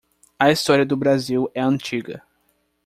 A história do Brasil é antiga.